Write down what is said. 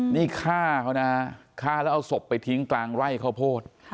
นี่ฆ่าเขานะฆ่าแล้วเอาศพไปทิ้งกลางไร่ข้าวโพด